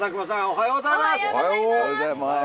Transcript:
おはようございます。